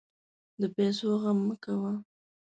د پیسو غم مه کوه.